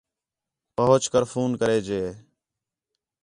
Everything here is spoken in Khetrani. پہچ کر فون کرے ڄے